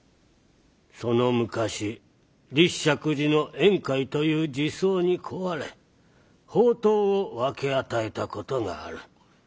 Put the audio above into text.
その昔立石寺の円海という寺僧に乞われ法灯を分け与えたことがある。